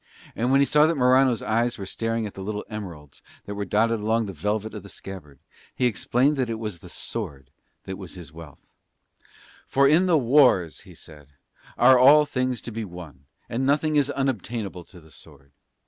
And when he saw that Morano's eyes were staring at the little emeralds that were dotted along the velvet of the scabbard he explained that it was the sword that was his wealth: "For in the wars," he said, "are all things to be won, and nothing is unobtainable to the sword.